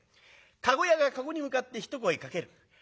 駕籠屋が駕籠に向かって一声かける。